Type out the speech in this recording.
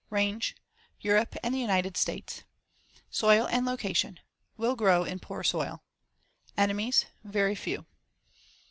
Range: Europe and the United States. Soil and location: Will grow in poor soil. Enemies: Very few.